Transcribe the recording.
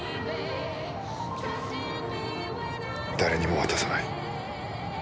誰にも渡さない。